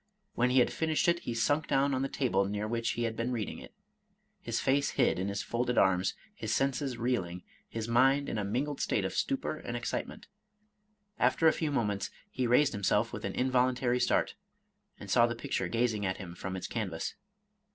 When he had finished it, he sunk down on the table near which he had been read ing it, his face hid in his folded arms, his senses reeling, his mind in a mingled state of stupor and excitement. After a few moments, he raised himself with an involuntary start, and saw the picture gazing at him from its canvas.